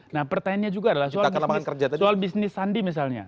nah pertanyaannya juga adalah soal bisnis sandi misalnya